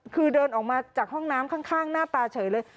คือเดินออกมาจากห้องน้ำข้างหน้าตาเฉยเลย